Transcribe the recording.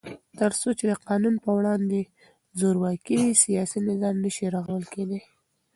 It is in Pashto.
تر څو چې د قانون په وړاندې زورواکي وي، سیاسي نظام نشي رغول کېدای.